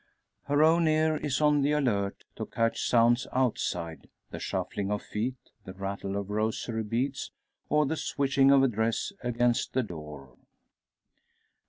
Her own ear is on the alert to catch sounds outside the shuffling of feet, the rattle of rosary beads, or the swishing of a dress against the door.